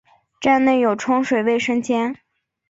站内有冲水卫生间。